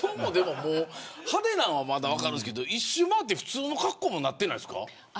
派手なのはまだ分かるんですけど一周回って普通の格好になってないですか。